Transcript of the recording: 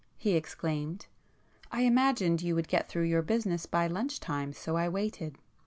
he exclaimed—"I imagined you would get through your business by lunch time, so I waited."